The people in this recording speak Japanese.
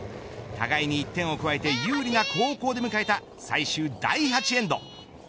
互いに１点を加えて有利な後攻で迎えた最終第８エンド。